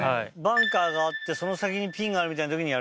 バンカーがあってその先にピンがあるみたいな時にやる？